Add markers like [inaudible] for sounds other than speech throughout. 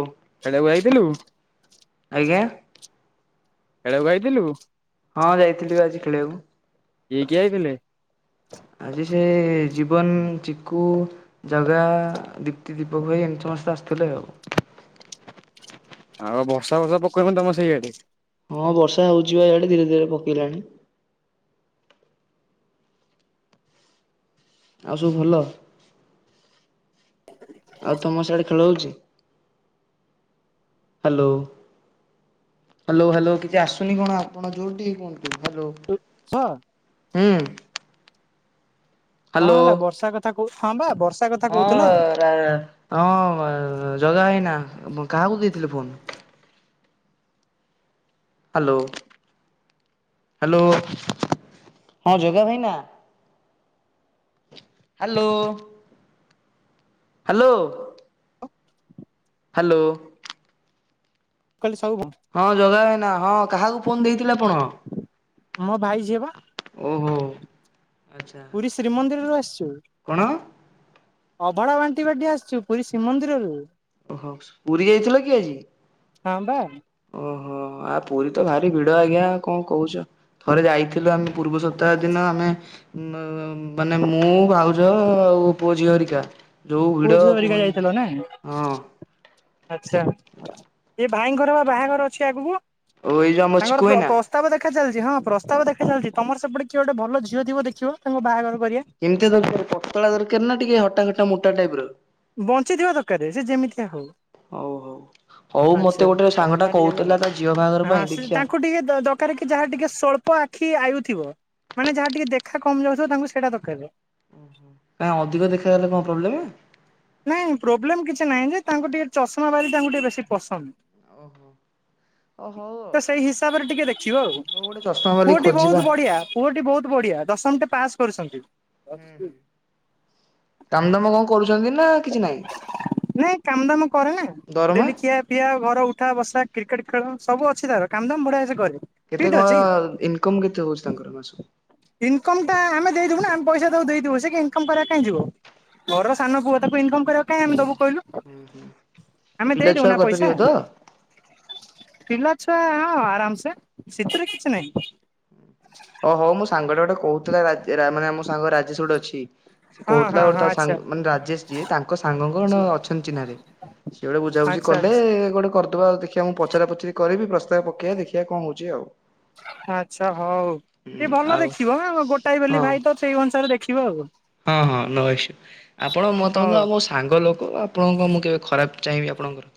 ଓ ଖେଳିବାକୁ ଆଇଥିଲୁ? ଆଜ୍ଞା। ଖେଳିବାକୁ ଆଇଥିଲୁ? ହଁ ଯାଇଥିଲି ବା ଆଜି କିଏ ଖେଳିବାକୁ। କିଏ ଆଇଥିଲେ ଆଜି ସେ ଜୀବନ ଚିକୁ ଜାଗା ଦୀପ୍ତି ଦୀପକ ଭାଇ ଏମିତି ସମସ୍ତେ ଆସିଥିଲେ ଆଉ। ଆଉ ବର୍ଷା ଫର୍ଷା ପକେଇବନି ତମ ସେଇଆଡେ। ହଁ ବର୍ଷା ହଉଛିିବ ଇଆଡେ ଧୀରେ ଧୀରେ ପକେଇଲାଣି। ଆଉ ସବୁ ଭଲ? [unintelligible] ଆଉ ତମର ସେଆଡେ ଖେଳ ହଉଛି? ହ୍ୟାଲୋ। ହ୍ୟାଲୋ ହ୍ୟାଲୋ କିଛି ଆସୁନି କଣ ଆପଣ ଜୋରେ ଟିକେ କୁହନ୍ତୁ ହ୍ୟାଲୋ। ସାର୍ ହୁଁ। କଣ ହ୍ୟାଲୋ ହେଲା ବର୍ଷା କଥା କହୁ ହଁ ବା ବର୍ଷା କଥା ହଁ କହୁଥିଲ ର ହଁ ଜଗା ଭାଇନା କାହାକୁ ଦେଇଥିଲେ ଫୋନ? ହ୍ୟାଲୋ ହ୍ୟାଲୋ ହଁ ଯଗା ଭାଇନା ହ୍ୟାଲୋ ହ୍ୟାଲୋ। ହ୍ୟାଲୋ। କହିଲି ସବୁ ହଁ ଜଗା ଭାଇନା ହଁ କାହାକୁ ଫୋନ ଦେଇଥିଲେ ଆପଣ? ମୋ ଭାଇ ସିଏ ବା ଓହୋ ଆଚ୍ଛା ପୁରୀ ଶ୍ରୀମନ୍ଦିରରୁ ଆସିଛୁ। କଣ? ଅଭଡ଼ା ବାଣ୍ଟି ବାଣ୍ଟି ଆସିଛୁ ପୁରୀ ଶ୍ରୀମନ୍ଦିରରୁ। ଓ ହଉ ପୁରୀ ଯାଇଥିଲ କି ଆଜି? ହଁ ବା। ଓହୋ ଆ ପୁରୀ ତ ଭାରି ଭିଡ ଆଜ୍ଞା କଣ କହୁଛ। ଥରେ ଯାଇଥିଲୁ ଆମେ ପୂର୍ବ ସପ୍ତାହ ଦିନ ଆମେ ମ ମାନେ ମୁଁ ଭାଉ ଜ ଆଉ ପୁଅ ଝିଅ ହେରିକା ଯୋଉ ପୁଅ ଭିଡ କୁହନି ଯାଏଁ ହଁ। ଆଚ୍ଛା ଏ ଭାଇଙ୍କର ବା ବାହାଘର ଅଛି ଆଗକୁ ଓ ଏଇ ଯୋଉ ଆମ ଚିକୁ ତାଙ୍କର ପ୍ର ଭାଇନା ପ ପ୍ରସ୍ତାବ ଦେଖା ଚାଲିଛି ହଁ ପ୍ରସ୍ତାବ ଦେଖାଚାଲିଛି ତମର ସେପଟେ କିଏ ଗୋଟେ ଭଲ ଝିଅ ଥିବ ଦେଖିବ ତାଙ୍କ ବାହାଘର କରିବା। କେମିତିଆ ଦରକାର ପତଳା ଦରକାର ନା ଟିକେ ହଟା ଖଟା ମୋଟା ଟାଇପର? ବଞ୍ଚିଥିବା ଦରକାର ସେ ଯେମିତିଆ ହଉ। ହଉ ହଉ। ହଉ ମତେ ଆଛା ଗୋଟେ ସାଙ୍ଗଟା କହୁଥିଲା ତା ଝିଅ ବାହାଘର ପାଇଁ ଦେଖିଆ ତାଙ୍କୁ ଟିକେ ଦ ଦ ଦରକାର କି ଯାହା ଟିକିେ ସ୍ୱଳ୍ପ ଆଖି ଆୟୁଥିବ ମାନେ ଯାହା ଟିକେ ଦେଖା କମ ଯାଉଥିବ ତାଙ୍କୁ ସେଇଟା ଦରକାରେ। କାଇଁ ଅଧିକ ଦେଖାଗଲେ କଣ ପ୍ରୋବ୍ଲେମ୍? ନାଇଁ ପ୍ରୋବ୍ଲେମ କିଛି ନାହିଁ ଯେ ତାଙ୍କୁ ଟିକେ ଚଷମା ବାଲି ତାଙ୍କୁ ଟିକେ ବେଶୀ ପସନ୍ଦ। ଓହୋ ଓ ହଉ ଆଉ ତ ସେଇ ହିସାବରେ ଟିକେ ଦେଖିବ ଆଉ ହଉ ଗୋଟେ ଚଷମା ବାଲି ପୁଅଟି ଖୋଜିବା ବହୁତ ବଢିଆ। ପୁଅଟି ବହୁତ ବଢ଼ିଆ ଦଶମଟେ ପାସ୍ କରୁଛନ୍ତି। କାମ ଦାମ କଣ କରୁଛନ୍ତି ନା କିଛି ନାହିଁ ନାଇଁ କାମ ଦାମ କରେ ନା ଦରମା ଡେଲି କିଆ ପିଆ ଘର ଉଠା ବସା କ୍ରିକେଟ୍ ଖେଳ ସବୁ ଅଛି ତାର କାମ ଦାମ ବଢ଼ିଆ ସେ କରେ। କେତେ ଫିଟ୍ କଣ ଅଛି ଇନକମ କେତେ ହଉଛି ତାଙ୍କର ମାସକୁ? ଇନକମ୍ ଟା ଆମେ ଦେଇଦେବୁ ନା ଆମେ ପଇସା ତାଙ୍କୁ ଦେଇଦେବୁ ସେ କାଇଁ ଇନକମ କରିବା ପାଇଁ କାଇଁ ଯିବ ଘରର ସାନ ପୁଅ ତାକୁ ଇନକମ କରିବା କାଇଁ ଆମେ ହୁଁ ଦବୁ କହିଲୁ। ହୁଁ ହୁଁ ଆମେ ପିଲା ଛୁଆ ଦେଇଦୋବୁ ନା କରିପାରିବ ପଇସା। ତ ପିଲା ଛୁଆ ଆରାମସେ ସେଥିରେ କିଛି ନାହିଁ। ଓହୋ ମୁଁ ସାଙ୍ଗଟା ଗୋଟେ କହୁଥିଲା ରାଜ ରା ମାନେ ମୋ ସାଙ୍ଗ ରାଜେଶ ଗୋଟେ ଅଛି। ସେ ହଁ କହୁଥିଲା ହଁ ଗୋଟେ ହଁ ତା ସା ଆଚ୍ଛା। ମାନେ ରାଜେଶ ଯିଏ ତାଙ୍କ ସାଙ୍ଗଙ୍କର ଅଛନ୍ତି ଚିହ୍ନାରେ। ସିଏ ଗୋଟେ ବୁଝାବୁଝି ଆଚ୍ଛା କଲେ ଆଚ୍ଛା। ଗୋଟେ କରି ଉ ଦେଖିବା ମୁଁ ପଚରା ପୁଚୁର କରିବି ପ୍ରସ୍ତାବ ପକେଇବା ଦେଖିବା କଣ ହଉଛି ଆଉ। ଆଚ୍ଛା ହଉ ହୁଁ ଟିକେ ଭଲ ଆଉ ଦେଖିବ ଗୋଟାଏ ବୋଲି ହଁ ଭାଇ ତ ସେଇ ଅନୁସାରେ ଦେଖିବ ଆଉ। ହଁ ହଁ ନୋ ଇସ୍ୟୁ ଆପଣ ମୋ ମତ ତମେ ହଉ ତ ଆମ ସ ସାଙ୍ଗ ଲୋକ ଆପଣଙ୍କ ମୁଁ କେବେ ଖରାପ ଚାହିଁବି ଆପଣଙ୍କର।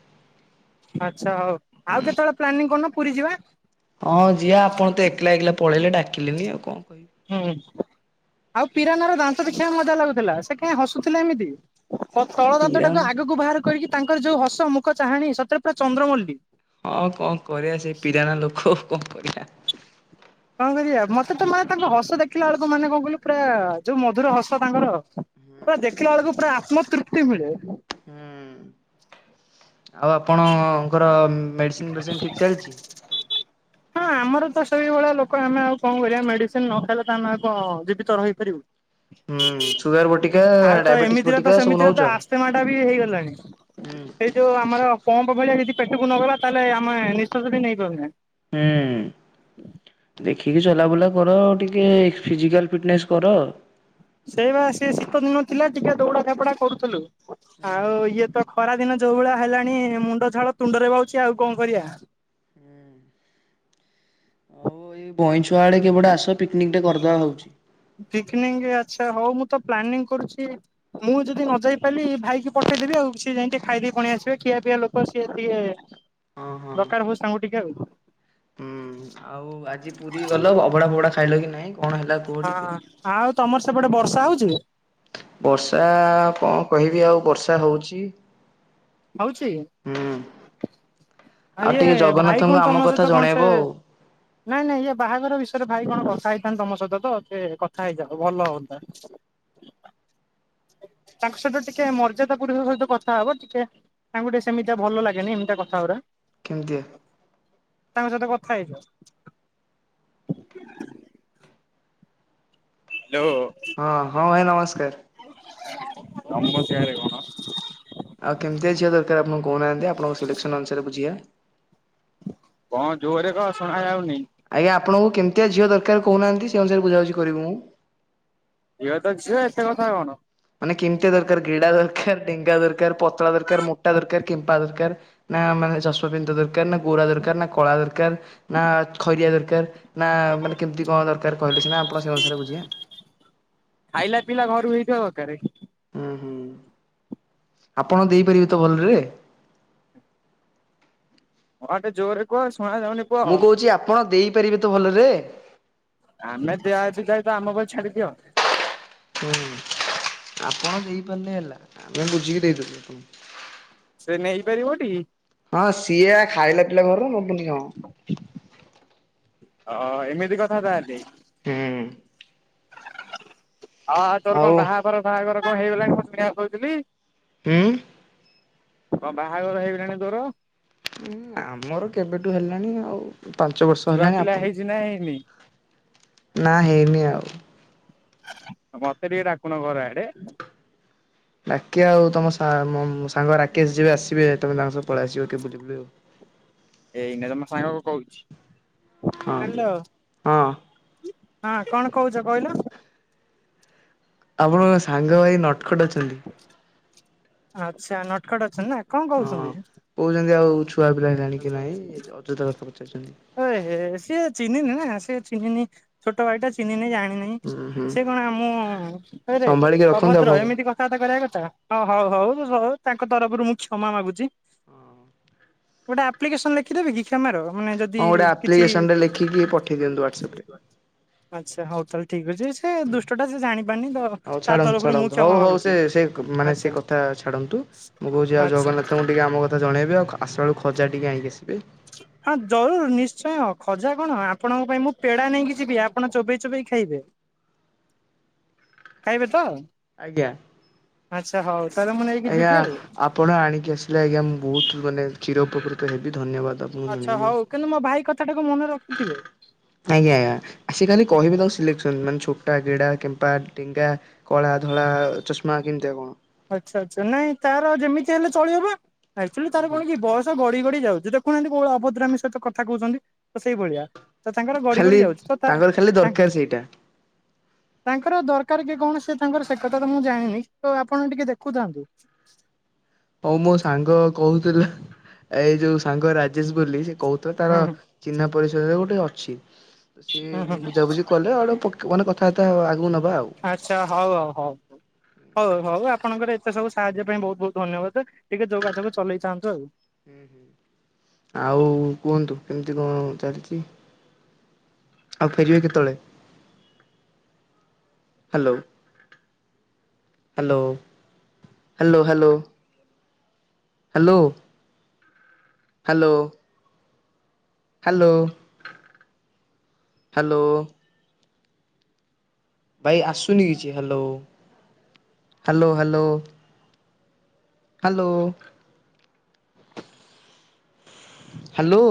ଆଚ୍ଛା ହଉ ଆଉ କେତେବେଳେ ପ୍ଲାନିଂ କରୁନ ପୁରୀ ଯିବା। ହଁ ଜିଆ ଆପଣ ତ ଏକଲା ଏକଲା ପଳେଇଲେ ଡାକିଲେନି ଆଉ କଣ କହି ହୁଁ ଆଉ ପିରାନାର ଦାନ୍ତ ଦେଖିବାକୁ ମଜା ଲାଗୁଥିଲା ସେ କାହିଁ ହସୁଥିଲା ଏମିତି। ତ ତଳ ଦାନ୍ତ ପିରାନା। ଟାକୁ ଆଗକୁ ବାହାର କରିକି ତାଙ୍କର ଯୋଉ ହସ ମୁଖ ଚାହାଣୀ ସତରେ ପୁରା ଚନ୍ଦ୍ରମଲ୍ଲୀ। ହଁ କଣ କରିବା ସେ ପିରାନା ଲୋକ ଆଉ କଣ କରିବା। କଣ କରିବା ମୋତେ ତ ମା ତାଙ୍କ ହସ ଦେଖିଲା ବେଳକୁ ମାନେ କଣ କହିଲୁ ପୁରା ଯୋଉ ମଧୁର ହସ ତାଙ୍କର। ପୁରା ଦେଖିଲା ବେଳକୁ ପୁରା ଆତ୍ମତୃପ୍ତି ମିଳେ। ହୁଁ, ଆଉ ଆପଣଙ୍କର ମେଡିସିନ୍ ଫେଡିସିନ ଠିକ ଚାଲିଚି? ନା ଆମର ତ ସେଇଭଳିଆ ଲୋକ ଆମେ ଆଉ କଣ କରିବା ମେଡିସିନ୍ ନ ଖାଇଲେ ତ ଆମେ ଆଉ କଁ ଜୀବିତ ରହିପାରିବୁ। ହୁଁ, ସୁଗାର୍ ବଟିକା, ଡାଇବେଟିସ୍ ବଟିକା ସବୁ ନଉଚ? ସେ ମାଟା ବି ହେଇଗଲାଣି। ସେଇ ଯୋଉ ଆମର ପମ୍ପ ଭଳିଆ ଯଦି ପେଟକୁ ନ ଗଲା ତାହେଲେ ଆମେ ନିଃଶ୍ବାସ ବି ନେଇ ପାରୁନା। ହେଁ ଦେ ଠିକି ଚଲାବୁଲା କର, ଟିକେ ଫିଜିକାଲ୍ ଫିଟନେସ୍ କର। ସେଇ ବା ସିଏ ଶୀତ ଦିନ ଥିଲା ଟିକେ ଦୌଡା ଧାପଡା କରୁଥୁଲୁ। ହୁଁ। ଆଉ ଇଏ ତ ଖରା ଦିନ ଯୋଉ ଭଳିଆ ହେଲାଣି ମୁଣ୍ଡ ଝାଳ ତୁଣ୍ଡରେ ବାଉଛି ଆଉ କଣ କରିବା। ବଇ ବଇଁ ଛୁଆଉଡା କି ଏପଟେ ଆସ ପିକନିକ ଟେ କରିଦବା ଭାବୁଛି। ପିକନିକ ଆଚ୍ଛା ହଉ ମୁଁ ତ ପ୍ଲାନିଂ କରୁଛି। ମୁଁ ଯଦି ନ ଯାଇ ପାରିଲି ଭାଇକି ପଠେଇଦେବି ଆଉ, ସିଏ ଯାଇ ଟିକେ ଖାଇଦେଇ ପଣି ଆସିବେ ଖିଆ ପିଆ ଲୋକ ସିଏ ଟିକେ। ହଁ ହଁ ଦରକାର ହଉ ସାଙ୍ଗ ଟିକେ ଆଉ। ହୁଁ, ଆଉ ଆଜି ପୁରୀ ଗଲ ଅଭଡା ଫବଡା ଖାଇଲ କି ନାଇଁ? କଣ ହେଲା କୁହ ହଁ ଟିକେ? ଆଉ ତୋମର ସେପଟେ ବର୍ଷା ହଉଛି? ବର୍ଷା କଣ କହିବି ଆଉ ବର୍ଷା ହଉଚି। ହଉଛି? ହୁଁ, ଆ ଆଉ ଇଏ ଟିକେ ଭାଇ ଜଗନ୍ନାଥଙ୍କୁ କଣ ଆମ ତମ କଥା ସହିତ କଣ ସେ ଜଣେଇବ ଆଉ। ନାଇଁ ନାଇଁ ଇଏ ବାହାଘର ବିଷୟରେ ଭାଇ କଣ କଥା ହେଇଥାନ୍ତେ ତୋମ ସହିତ ତ ସେ କଥା ହେଇଯାଅ ଓ ଭଲ ହଅନ୍ତା। ତାଙ୍କ ସହିତ ଟିକେ ମର୍ଯ୍ୟାଦା ପୁରୁଷ ସହିତ କଥା ହବ ଟିକେ ତାଙ୍କୁ ଟିକେ ସେମିତିଆ ଭଲ ଲାଗେନି ଏମିତିଆ କଥା ଗୁରା। କେମିତିଆ? ତାଙ୍କ ସହିତ କଥା ହେଇଯୁଅ। ଲୋ ହଁ, ହଁ ଭାଇ ନମସ୍କାର। ଆମ ଗାଁରେ କଣ ଆଉ କେମିତି ଝିଅ ଦରକାର ଆପଣ କହୁନାହାନ୍ତି। ଆପଣଙ୍କ ସିଲେକ୍ସନ୍ ଅନୁସାରେ ବୁଝିବା। କଣ ଜୋରେ କହ ଶୁଣା ଯାଉନି। ଆଜ୍ଞା ଆପଣଙ୍କୁ କେମତିଆ ଝିଅ ଦରକାର କହୁନାହାନ୍ତି, ସେ ଅନୁସାରେ ବୁଝାବୁଝି କରିବୁ। ଝିଅ ତ ଝିଅ ଏତେ କଥା କଣ। ମାନେ କେମିତିଆ ଦରକାର ଗିଡ଼ା ଦରକାର, ଡେଙ୍ଗା ଦରକାର, ପତଳା ଦରକାର, ମୋଟା ଦରକାର, କେମ୍ପା ଦରକାର। ନା ମାନେ ଚଷମା ପିନ୍ଧା ଦରକାର ନା ଗୋରା ଦରକାର, ନା କଳା ଦରକାର। ନା ଖଇରିଆ ଦରକାର, ନା ମାନେ କେମିତି କଣ ଦରକାର କହିଲେ ସିନା ଆପଣ ସେ ଅନୁସାରେ ବୁଝିବା। ଖାଇଲା ପିଇଲା ଘରୁ ହେଇଥିବା ଦରକାରେ। ଉଁ, ହୁଁ, ଆପଣ ଦେଇପାରିବେ ତ ଭଲରେ? ହଁ ଟିକେ ଜୋରରେ କୁହ ଶୁଣାଯାଉନି। ମୁଁ କହୁଚି ଆପଣ ଦେଇପାରିବେ ତ ଭଲରେ? ଆମେ ଦିଆ ଅଛି ଯାଇ ତ ଆମ ଉପରେ ଛାଡିଦିଅ। ହୁଁ, ଆପଣ ଦେଇପାରିଲେ ହେଲା, ଆମେ ବୁଝିକି ଦେଇଦେବୁ ଆପଣଙ୍କୁ। ସେ ନେଇ ପାରିବ ଟି? ହଁ ସିଏ ଆ, ଖାଇଲା ପିଇଲା ଘରର ନବନି କଣ। ଅ, ଏମିତି କଥା ତାହାଲେ। ହୁଁ। ଅ, ତୋର କଣ ଆଉ ବାହାଘର ଫାଆଘର କଣ ହେଇଗଲାଣି ମୁଁ ଶୁଣିବାକୁ ପାଉଥିଲି? ହୁଁ, କଁ ବାହାଘର ହେଇଗଲାଣି ତୋର। ଉଁ ଆମର କେବେଠୁ ହେଲାଣି ଆଉ ପାଞ୍ଚ ବର୍ଷ ଛୁଆ ହେଲାଣି ପିଲା ହେଇଛି ନା ହେଇନି ଆପଣ ନା ହେଇନି ଆଉ। ଆଉ ମତେ ଟିକେ ଡାକୁନ ଘର ଆଡେ। ଡାକିଆ ଆଉ ତମ ସା ମ ସାଙ୍ଗ ରାକେଶ ଯିବେ ଆସିବେ ତମେ ତାଙ୍କ ସହ ପଳେଇ ଆସିବ। କେବେ ଯିବି ଆଉ। ଏଇନେ ତମ ସାଙ୍ଗ କଁ କହୁଛି ହଁ ଦିଅ ହାଲୋ। ହଁ ହଁ କଣ କହୁଛ କହିଲ। ଆପଣଙ୍କ ସାଙ୍ଗ ଭାଇ ନଟଖଟ ଅଛନ୍ତି। ଆଚ୍ଛା ନଟଖଟ ଅଛନ୍ତି ନା। କଣ ହଁ କହୁଛନ୍ତି? କହୁଛନ୍ତି ଆଉ ଛୁଆ ପିଲା ହେଲାଣି କି ନାଇଁ ଅଯଥା କଥା ପଚାରୁଛନ୍ତି। ଓ ଏ ହେ ସିଏ ଚିହ୍ନିନି ନା ସିଏ ଚିହ୍ନିନି ଛୋଟ ଭାଇଟା ଚିହ୍ନିନି ଜାଣିନି। ଉଁ ହୁଁ ହୁଁ ସେ କଣ ମୁଁ ହେଇରେ ସମ୍ଭାଳିକି ରଖନ୍ତୁ ଅଭଦ୍ର ଆପଣଙ୍କ ଏମିତି କ ଥା ବାର୍ତ୍ତା କରିବା କଥା ହଉ ହଉ ହଉ ମୁଁ ସର୍ ତାଙ୍କ ତରଫୁରୁ ମୁଁ କ୍ଷମା ମାଗୁଚି। ଗୋଟେ ଆପ୍ଲିକେସନ ଲେଖିଦେବି କି କ୍ଷମାର। ମାନେ ଯଦି ହଁ ଗୋଟେ କିଛି ଆପ୍ଲିକେସନଟେ ଲେଖିକି ପଠେଇ ଦିଅନ୍ତୁ ୱାଟ୍ସଅପରେ। ଆଚ୍ଛା ହଉ ତାହେଲେ ଠିକ୍ ଅଛି ସେ ଦୁଷ୍ଟଟା ସିଏ ଜାଣିପାରିନି ତ ହଉ ତା ଛାଡନ୍ତୁ ତରଫରୁ ମୁଁ ଛାଡନ୍ତୁ କ୍ଷମା ହଉ ହଉ ମାଗୁଛି। ସ୍ ତେ ସେ କ ଉଁ ମାନେ ଆଚ୍ଛା ସେ କଥା ଛାଡନ୍ତୁ ମୁଁ କହୁଛି ଆଉ ଆଚ୍ଛା ଜଗନ୍ନାଥଙ୍କୁ ଟିକେ ଆମ କଥା ଜଣେଇବେ ଆଉ ଖା ଆସଲା ବେଳୁକୁ ଖଜା ଟିକେ ଆଣିକି ଆସିବେ। ହଁ ଜରୁର୍ ନିଶ୍ଚୟ ଖଜା କଣ ଆପଣଙ୍କ ପାଇଁ ମୁଁ ପେଡା ନେଇକି ଯିବି ଆପଣ ଚୋବେଇ ଚୋବେଇ ଖାଇବେ। ହ ଖାଇବେ ତ। ଆଜ୍ଞା। ଆଚ୍ଛା ହଉ ତାହେଲେ ମୁଁ ନେଇକି ଆଜ୍ଞା ଯିବି ଆଉ। ଆପଣ ଆଣିକି ଆସିଲେ ଆଜ୍ଞା ମୁଁ ବୋହୁତ ମାନେ ଚିରଉପକୃତ ହେବି ଧନ୍ୟବାଦ ଆପ୍ ଆଚ୍ଛା ହଉ କିନ୍ତୁ ମୋ ଭାଇ କଥାଟାକୁ ମନେ ରଖିଥିବେ। ଆଜ୍ଞା ଆସିଲାନି କହିବି ତାଙ୍କୁ ସିଲେକ୍ସନ୍ ମାନେ ଛୋଟା ଗେଡା କେମ୍ପା ଡେଙ୍ଗା। କଳା ଧଳା ଚଷମା କେମତିଆ କଣ। ଆଚ୍ଛା ଆଚ୍ଛା ନାଇଁ ତାର ଯେମିତିଆ ହେଲେ ଚଳିବ ପା ଆକ୍ଚୁଆଲି ତାର ଓହୋ କଣ କି ବୟସ୍ ତ ଗଡି ଗଡି ଯାଉଚି ଦେଖୁନାହାନ୍ତି କୋଉ ଭଳିଆ ଅଭଦ୍ରାମୀ ସହିତ କଥା କହୁଛନ୍ତି ତ ସେଇଭଳିଆ। ତ ତାଙ୍କର ଗଡି ଗଡି ଖାଲି ଯାଉଛି ତ ତା ତାଙ୍କର ଖାଲି ଦରକାର ତାଙ୍କ୍ ସେଇଟା ତାଙ୍କର ଦରକାର କି କଣ ସିଏ ତାଙ୍କର ସେ କଥା ତ ମୁଁ ଜାଣିନି ତ ଆପଣ ଟିକେ ଦେଖୁଥାନ୍ତୁ। ହଉ ମୋ ସାଙ୍ଗ କହୁଥିଲା ଏଇ ଯୋଉ ସାଙ୍ଗ ରାଜେଶ ବୋଲି ସିଏ କହୁଥିଆ ହୁଁ ତାର ଚିହ୍ନା ପରିଚୟରେ ଗୋଟେ ଅଛି। ତ ସିଏ ହୁଁ ହୁଁ ଉଁ ହୁଁ ବୁଝାବୁଝି କଲେ ଆଉ ଟିକେ ପକ୍ ମାନେ କଥାବାର୍ତ୍ତା ଆଉ ଆଗୁକୁ ନବା ଆଉ। ଆଚ୍ଛା ହଉ ହଉ ହଉ। ହଉ ହଉ ହଉ ଆପଣଙ୍କର ଏତେ ସବୁ ସାହାଯ୍ୟ ପାଇଁ ବୋହୁତ ବୋହୁତ ଧନ୍ୟବାଦେ ଟିକେ ଯୋଗାଯୋଗ ଚଲେଇ ଥାଆନ୍ତୁ ଆଉ। ହୁଁ ହୁଁ। ଆଉ କୁହନ୍ତୁ କେମତି କଁ ଚାଲିଚି। ଆଉ ଫେରିବେ କେତେବେଳେ? Hello. Hello hello hello hello. Hello. Hello hello. ଭାଇ ଆସୁନି କିଛି hello hello hello. Hello hello.